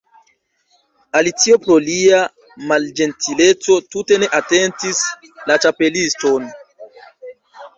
Alicio pro lia malĝentileco tute ne atentis la Ĉapeliston.